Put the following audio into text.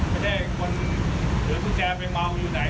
ไม่ได้คนถือกุญแจไปเมาอยู่ไหน